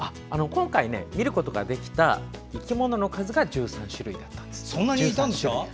今回見ることができた生き物の数が１３種類だったんです。